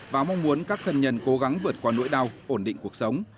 và mong muốn các thân nhân cố gắng vượt qua nỗi đau ổn định cuộc sống